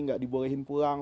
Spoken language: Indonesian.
nggak dibolehin pulang